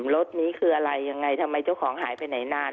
รถนี้คืออะไรยังไงทำไมเจ้าของหายไปไหนนาน